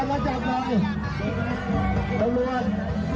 สังรวจมีมือปืออยู่สังรวจ